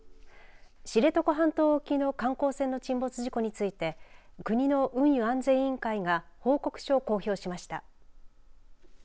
知床半島沖の観光船の沈没事故について国の運輸安全委員会が報告書を公表しました。